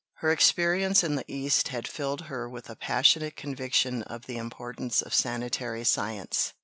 Her experience in the East had filled her with a passionate conviction of the importance of sanitary science.